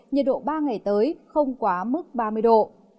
nhiệt độ ba ngày tới không quá mức ba mươi độ